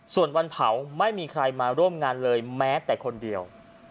ส่วนวันเผาไม่มีใครมาร่วมงานเลยแม้แต่คนเดียว